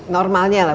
normalnya lah berapa